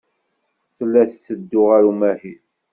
Tella tetteddu ɣer umahil.